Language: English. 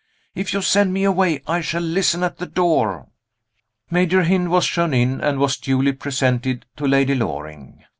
If you send me away I shall listen at the door." Major Hynd was shown in, and was duly presented to Lady Loring.